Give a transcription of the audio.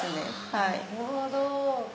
はぁなるほど。